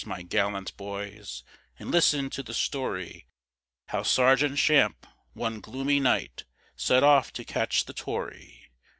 my gallant boys, And listen to the story, How Sergeant Champe, one gloomy night, Set off to catch the Tory.